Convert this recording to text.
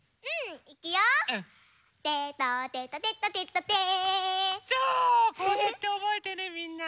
うん！